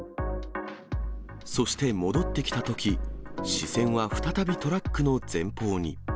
そして戻ってきたとき、視線は再びトラックの前方に。